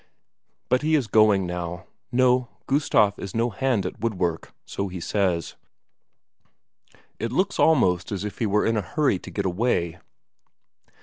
But he is going now. No, Gustaf is no hand at woodwork, so he says. It looks almost as if he were in a hurry to get away.